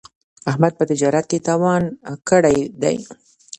احمد په تجارت کې تاوان کړی دی.